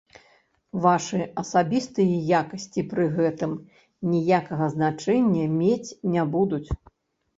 Вашы асабістыя якасці пры гэтым ніякага значэння мець не будуць.